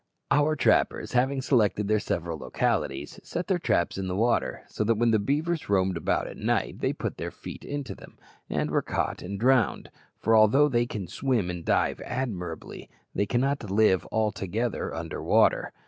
Our trappers, having selected their several localities, set their traps in the water, so that when the beavers roamed about at night they put their feet into them, and were caught and drowned; for although they can swim and dive admirably, they cannot live altogether under water.